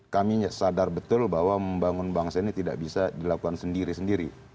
kami sadar betul bahwa membangun bangsa ini tidak bisa dilakukan sendiri sendiri